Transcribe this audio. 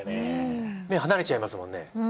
目離れちゃいますもんね。